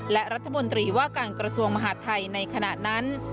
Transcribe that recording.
และรัฐมนตรีว่าการกระทรวงมหาดไทยในขณะนั้น